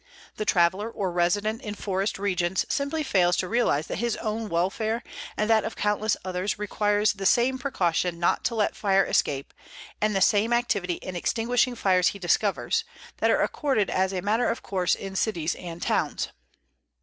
The traveler or resident in forest regions simply fails to realize that his own welfare and that of countless others requires the same precaution not to let fire escape, and the same activity in extinguishing fires he discovers, that are accorded as a matter of course in cities and towns.